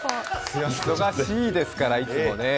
忙しいですから、いつもね。